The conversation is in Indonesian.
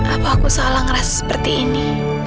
apa aku salah ngerasa seperti ini